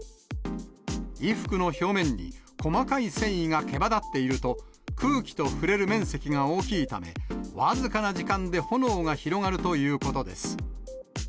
衣服の表面に細かい繊維がけばだっていると、空気と触れる面積が大きいため、僅かな時間で炎が広がるということです。